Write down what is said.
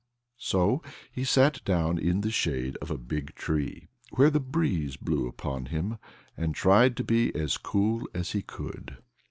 So he sat down in the shade of a big tree, where the breeze blew upon him, and tried to be as cool as he could.